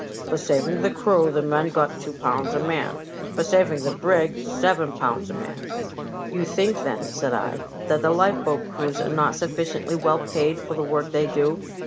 For saving the crew the men got two pounds a man, for saving the brig seven pounds a man." You think, then," said I, " that the lifeboat crews are not sufficiently well paid for the work they do